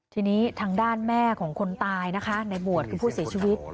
ทีนี้ทางด้านแม่ของคนตายนะคะในบวชคือผู้เสียชีวิต